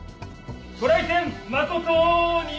ご来店誠に？